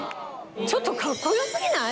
ちょっとかっこよすぎない？